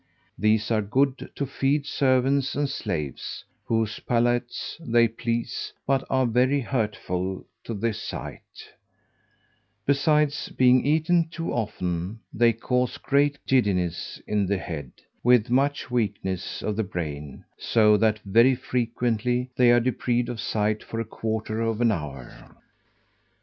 These are good to feed servants and slaves, whose palates they please, but are very hurtful to the sight: besides, being eaten too often, they cause great giddiness in the head, with much weakness of the brain; so that, very frequently, they are deprived of sight for a quarter of an hour.